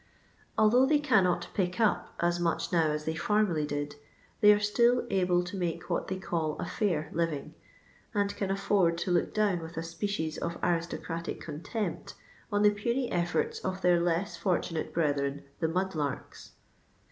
Although they can not " pick up " as much now as they formerly did, they are still able to make what they call a £ur liring, and can afford to look down with a species of aristocratic contempt on the puny efforts of their leas fortunate brethren the " mudlarks.'